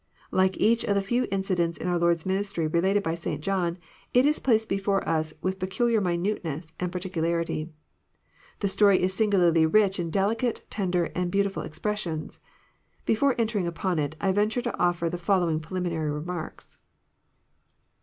Like each of the few incidents in our Lord's ministry related by St. John, it is placed before us with peculiar minuteness and particu larity. The story is singularly rich in delicate, tender, and beautiftil exprewsions. Before entering upon it, I venture to offer the follovvlng preliminary remarks.